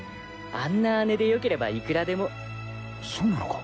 あんな姉でよければいくらでも。そうなのか？